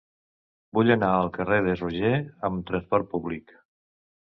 Vull anar al carrer de Roger amb trasport públic.